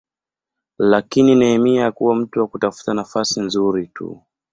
Lakini Nehemia hakuwa mtu wa kutafuta nafasi nzuri tu.